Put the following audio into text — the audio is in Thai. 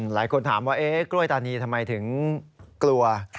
หลายคนถามว่ากล้วยตานีทำไมถึงกลัว